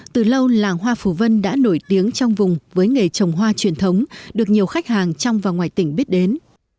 từ lâu làng hoa phù vân đã nổi tiếng trong vùng với nghề trồng hoa truyền thống được nhiều khách hàng trong và ngoài tỉnh biết đến